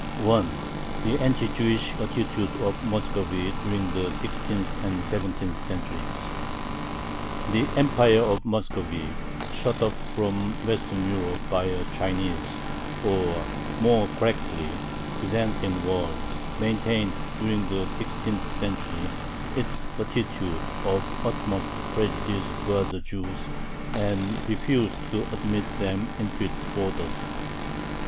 THE ANTI JEWISH ATTITUDE OF MUSCOVY DURING THE SIXTEENTH AND SEVENTEENTH CENTURIES The Empire of Muscovy, shut off from Western Europe by a Chinese or, more correctly, Byzantine wall, maintained during the sixteenth century its attitude of utmost prejudice towards the Jews, and refused to admit them into its borders.